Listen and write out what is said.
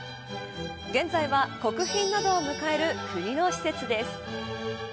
現在は国賓などを迎える国の施設です。